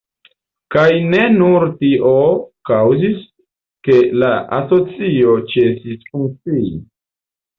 Kaj ne nur tio kaŭzis, ke la asocio ĉesis funkcii.